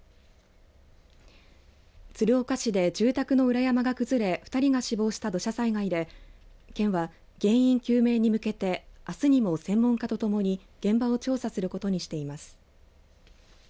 鶴岡市で住宅の裏山が崩れ２人が死亡した土砂災害で県は原因究明に向けてあすにも専門家とともに現場を調査することにしています。